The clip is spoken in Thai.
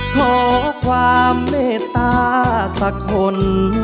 ขอความเมตตาสักคน